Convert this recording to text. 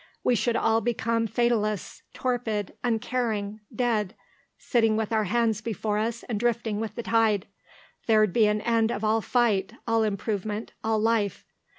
We should all become fatalists, torpid, uncaring, dead, sitting with our hands before us and drifting with the tide. There'd be an end of all fight, all improvement, all life.